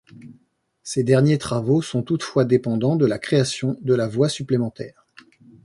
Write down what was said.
Ces derniers travaux sont toutefois dépendant de la création de la voie supplémentaire.